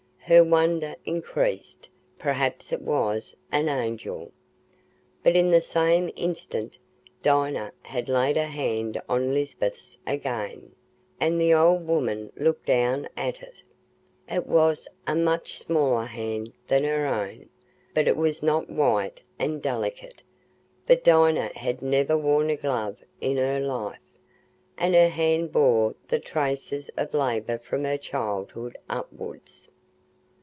Her wonder increased; perhaps it was an angel. But in the same instant Dinah had laid her hand on Lisbeth's again, and the old woman looked down at it. It was a much smaller hand than her own, but it was not white and delicate, for Dinah had never worn a glove in her life, and her hand bore the traces of labour from her childhood upwards.